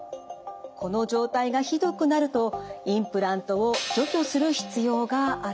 この状態がひどくなるとインプラントを除去する必要があるんです。